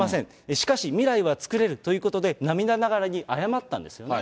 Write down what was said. しかし未来は作れるということで、涙ながらに謝ったんですよね。